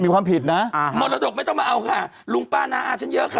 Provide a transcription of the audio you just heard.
มีความผิดนะอ่ามรดกไม่ต้องมาเอาค่ะลุงป้าน้าอาฉันเยอะค่ะ